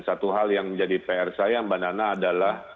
dan satu hal yang menjadi pr saya mbak nana adalah